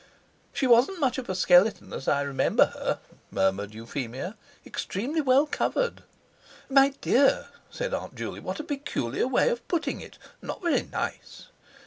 "She wasn't much of a skeleton as I remember her," murmured Euphemia, "extremely well covered." "My dear!" said Aunt Juley, "what a peculiar way of putting it—not very nice."